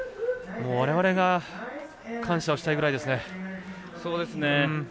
われわれが感謝をしたいぐらいですね。